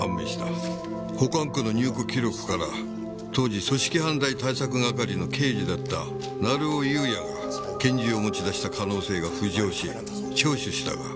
保管庫の入庫記録から当時組織犯罪対策係の刑事だった成尾優也が拳銃を持ち出した可能性が浮上し聴取したが。